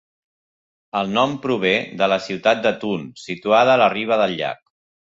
El nom prové de la ciutat de Thun situada a la riba del llac.